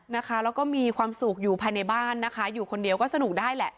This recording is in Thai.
แล้วก็มีความสุขอยู่ภายในบ้านนะคะอยู่คนเดียวก็สนุกได้แหละ